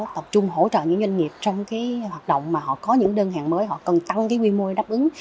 tập trung hỗ trợ những doanh nghiệp trong hoạt động mà họ có những đơn hàng mới họ cần tăng quy mô để đáp ứng